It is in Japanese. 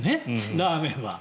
ラーメンは。